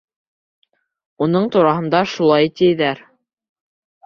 Уның тураһында шулай, тиҙәр.